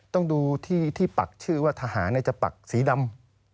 ต้องดูที่ปักชื่อว่าทหารจะปักสีดำ